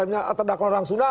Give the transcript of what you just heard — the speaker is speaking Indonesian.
akhirnya terhadap orang suna